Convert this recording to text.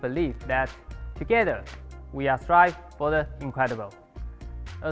kami percaya bahwa bersama kami kita berharga untuk yang luar biasa